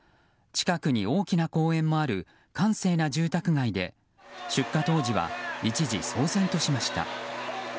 近くに大きな公園もある閑静な住宅街で出火当時は一時、騒然としました。